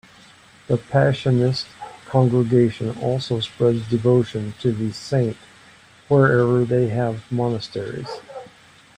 The Passionist Congregation also spreads devotion to the saint wherever they have monasteries.